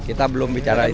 kita belum bicara itu